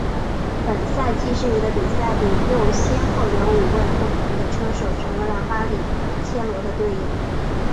本赛季剩余的比赛里又先后有五位不同的车手成为了巴里切罗的队友。